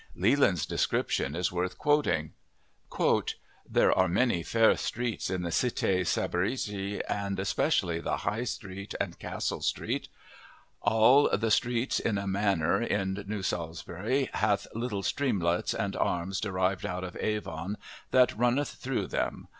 Leland's description is worth quoting: "There be many fair streates in the Cite Saresbyri, and especially the High Streate and Castle Streate.... Al the Streates in a maner, in New Saresbyri, hath little streamlettes and arms derivyd out of Avon that runneth through them.